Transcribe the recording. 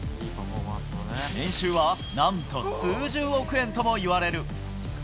年収は何と数十億円ともいわれる。